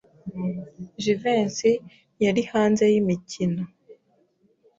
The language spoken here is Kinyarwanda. Jivency yari hanze yimikino.